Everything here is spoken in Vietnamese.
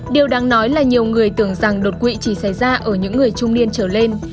điều đáng nói là nhiều người tưởng rằng đột quỵ chỉ xảy ra ở những người trung niên trở lên